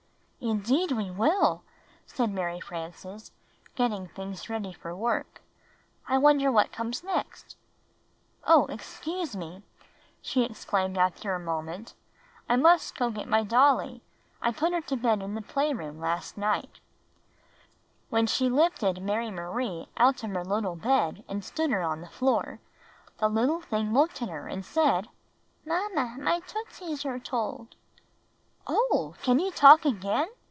"Indeed we will!" said Mary Frances, getting things ready for work. "I wonder what comes next?" VeW "Oh, excuse me," she exclaimed after a moment, '%u sMrejy vill mirpriae tkem. 106 Knitting and Crocheting Book " I must go get my dolly. I put her to bed in the play room last night." When she lifted Mary Marie out of her little bed and stood her on the floor, the little thing looked at her and said, "Mamma, my tootsies are told." "Oh, can you talk again?"